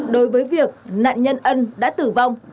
đối với việc nạn nhân ân đã tử vong